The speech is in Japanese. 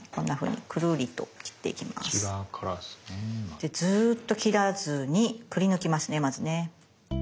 でずっと切らずにくりぬきますねまずね。